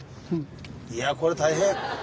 いやこれ大変。